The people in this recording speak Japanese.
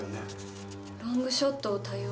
「ロングショットを多用」。